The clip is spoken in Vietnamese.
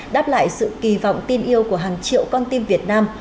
đáp lại sự kỳ vọng tin yêu của hàng triệu con tim việt nam